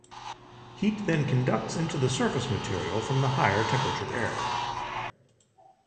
Heat then conducts into the surface material from the higher temperature air.